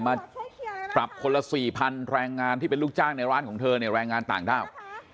มาปรับคนละ๔๐๐แรงงานที่เป็นลูกจ้างในร้านของเธอเนี่ยแรงงานต่างด้าว